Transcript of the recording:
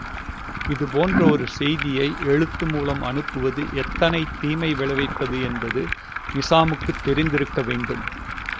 இது போன்ற ஒரு செய்தியை, எழுத்து மூலமாக அனுப்புவது எத்தனை தீமை விளைவிப்பது என்ப்து நிசாமுக்குத் தெரிந்திருக்க வேண்டும்.